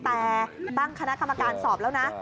แต่ตั้งคณะกรรมการสอบแล้วนะ